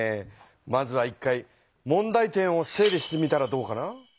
まずは１回問題点を整理してみたらどうかな？